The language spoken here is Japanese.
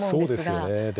そうですよね。